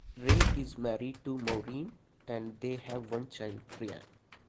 Ray is married to Maureen and they have one child, Ryan.